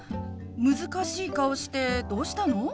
難しい顔してどうしたの？